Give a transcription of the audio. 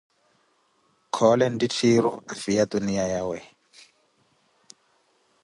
́Khoole nttitthiiru afhiya tuniya yawe`.